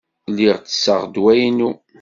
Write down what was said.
Lliɣ tesseɣ ddwa-inu.